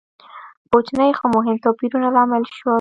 کوچني خو مهم توپیرونه لامل شول.